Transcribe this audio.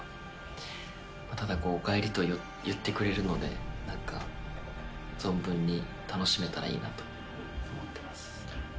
ただこう「おかえり」と言ってくれるので存分に楽しめたらいいなと思ってます。